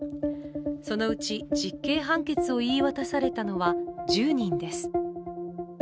そのうち、実刑判決を言い渡されたのは１０人です。